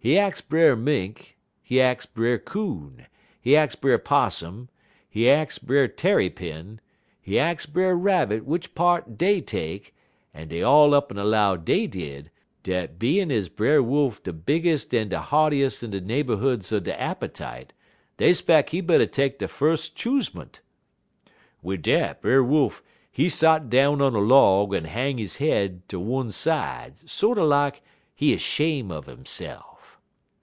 He ax Brer Mink, he ax Brer Coon, he ax Brer 'Possum, he ax Brer Tarrypin, he ax Brer Rabbit, w'ich part dey take, en dey all up'n 'low, dey did, dat bein' ez Brer Wolf de biggest en de heartiest in de neighborhoods er de appetite, dey 'speck he better take de fus' choosement. "Wid dat Brer Wolf, he sot down on a log, en hang he head ter one side, sorter lak he 'shame' er hisse'f.